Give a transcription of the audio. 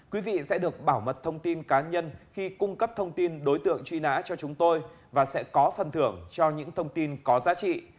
quý vị sẽ được bảo mật thông tin cá nhân khi cung cấp thông tin đối tượng truy nã cho chúng tôi và sẽ có phần thưởng cho những thông tin có giá trị